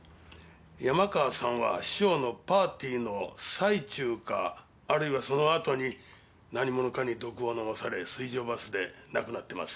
山川さんは師匠のパーティーの最中かあるいはその後に何者かに毒を飲まされ水上バスで亡くなってます。